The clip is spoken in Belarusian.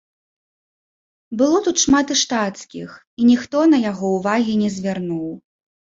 Было тут шмат і штацкіх, і ніхто на яго ўвагі не звярнуў.